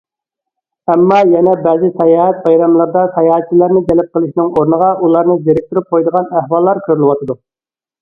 ئەمما يەنە بەزى ساياھەت بايراملىرىدا ساياھەتچىلەرنى جەلپ قىلىشنىڭ ئورنىغا، ئۇلارنى زېرىكتۈرۈپ قويىدىغان ئەھۋاللار كۆرۈلۈۋاتىدۇ.